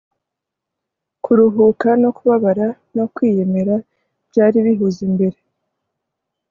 Kuruhuka no kubabara no kwiyemera byari bihuze imbere